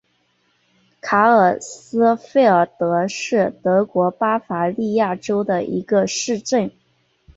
卡尔斯费尔德是德国巴伐利亚州的一个市镇。